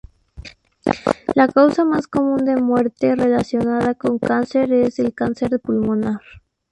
La causa más común de muerte relacionada con cáncer es el cáncer pulmonar.